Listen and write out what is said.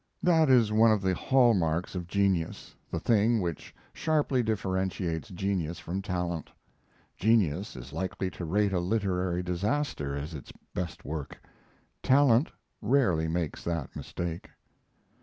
That is one of the hall marks of genius the thing which sharply differentiates genius from talent. Genius is likely to rate a literary disaster as its best work. Talent rarely makes that mistake.